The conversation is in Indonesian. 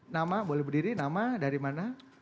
nama boleh berdiri nama dari mana